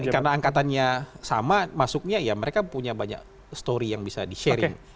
karena angkatannya sama masuknya ya mereka punya banyak story yang bisa di sharing